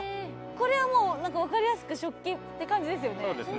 これはもう分かりやすく食器って感じですよね